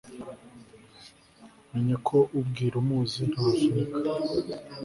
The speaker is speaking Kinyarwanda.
menya ko ubwira umuzi ntavunika